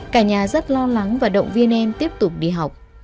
cả nhà rất lo lắng và động viên em tiếp tục đi học